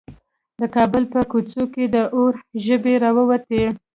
د کابل په کوڅو کې د اور ژبې راووتې.